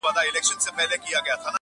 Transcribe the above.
• سلطانانو یې منلی منزلت وو -